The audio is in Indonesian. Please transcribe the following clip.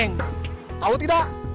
beng tau tidak